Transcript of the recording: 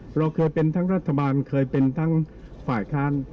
เราเคยเป็นทั้งรัฐบาลเคยเป็นทั้งฝ่ายค้าน